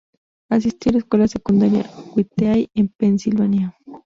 Asistió a la Escuela Secundaria Whitehall, en Pensilvania.